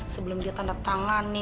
sebelum dia tanda tangan ini